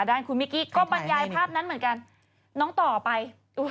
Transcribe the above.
ด้านคุณมิกกี้ก็บรรยายภาพนั้นเหมือนกันน้องต่อไป